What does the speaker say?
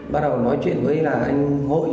bắt đầu nói chuyện với là anh hội